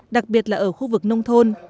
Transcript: đặc biệt là ở khu vực nông thôn